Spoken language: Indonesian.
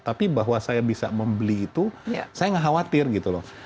tapi bahwa saya bisa membeli itu saya nggak khawatir gitu loh